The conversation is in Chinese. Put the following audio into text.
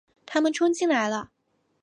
他们冲进来了